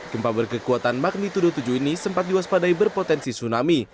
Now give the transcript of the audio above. gempa berkekuatan magnitudo tujuh ini sempat diwaspadai berpotensi tsunami